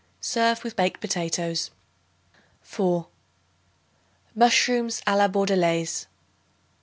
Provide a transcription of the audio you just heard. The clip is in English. Serve with baked potatoes. 4. Mushrooms a la Bordelaise.